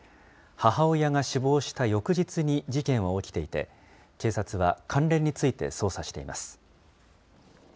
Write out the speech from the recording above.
母親が死亡した翌日に事件は起きていて、警察は関連について捜査しています。